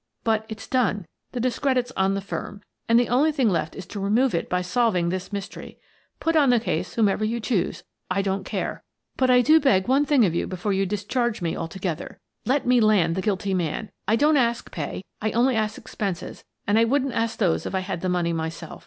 But it's done, — the discredit's on the firm, — and the only thing left is to remove it by solving this mys tery. Put on the case whomever you choose, — I don't care, — but I do beg one thing of you before you discharge me altogether : let me land the guilty man! I don't ask pay. I ask only expenses, and I wouldn't ask those if I had the money myself.